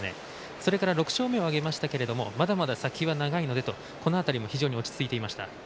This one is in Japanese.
それから６勝目を挙げましたけれどもまだまだ先は長いのでとこの辺りも非常に落ち着いていました。